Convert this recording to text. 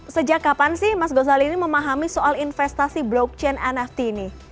sejak kapan sih mas gozali ini memahami soal investasi blockchain nft ini